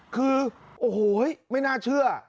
คือโอ้โหไม่น่าเชื่อ